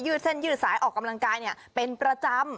เส้นยืดสายออกกำลังกายเป็นประจำ